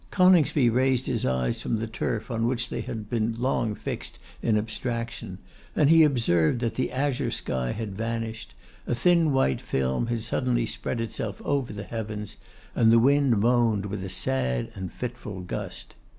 Coningsby raised his eyes from the turf on which they had been long fixed in abstraction, and he observed that the azure sky had vanished, a thin white film had suddenly spread itself over the heavens, and the wind moaned with a sad and fitful gust.